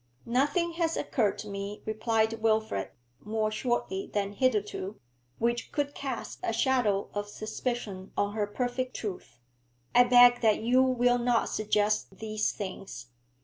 'Nothing has occurred to me,' replied Wilfrid, more shortly than hitherto, 'which could cast a shadow of suspicion on her perfect truth. I beg that you will not suggest these things.